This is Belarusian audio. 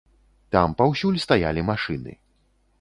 Там паўсюль стаялі машыны.